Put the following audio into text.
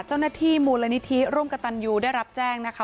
เจ้าหน้าที่มูลนิธิร่วมกับตันยูได้รับแจ้งนะคะ